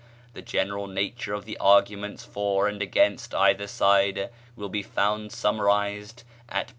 The general nature of the arguments for and against either side will be found summarized at pp.